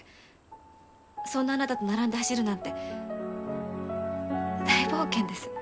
そんなあなたと並んで走るなんて大冒険です。